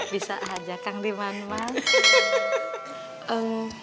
bisa ajak kang diman mas